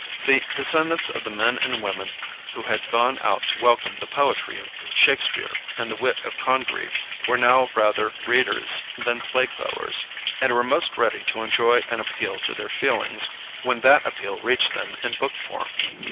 The descendants of the men and women who had gone out to welcome the poetry of Shakespeare and the wit of Congreve were now rather readers than play goers, and were most ready to enjoy an appeal to their feelings when that appeal reached them in book form.